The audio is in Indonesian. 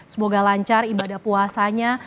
semoga lancar ibadah puasanya